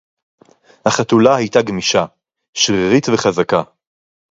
הַחֲתוּלָה הָיְתָה גְּמִישָׁה, שְׁרִירִית וַחֲזָקָה